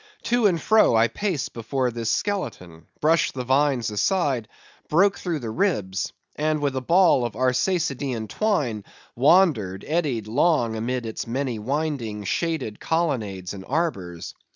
To and fro I paced before this skeleton—brushed the vines aside—broke through the ribs—and with a ball of Arsacidean twine, wandered, eddied long amid its many winding, shaded colonnades and arbours.